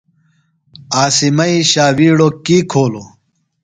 عاصمی ݜاوِیڑوۡ کی کھولوۡ؟